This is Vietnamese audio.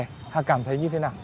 hà cảm thấy như thế nào